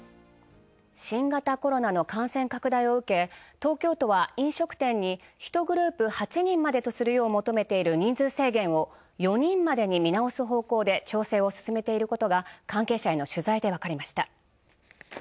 新型コロナの感染拡大を受け飲食店に１グループ８人までと求めている人数制限を４人までに見直す方向で調整を進めていることが関係者への取材でわかりました。